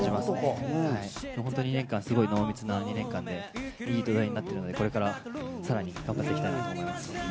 ２年間すごく濃密な２年間で、良い土台になっているので、これから、さらに頑張っていきたいと思います。